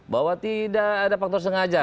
bahwa tidak ada faktor sengaja